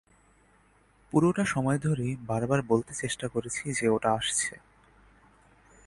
পুরোটা সময় ধরেই বারবার বলতে চেষ্টা করেছি যে ওটা আসছে!